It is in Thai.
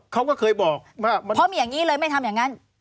เขาก็เคยบอกเพราะมีอย่างนี้เลยไม่ทำอย่างนั้น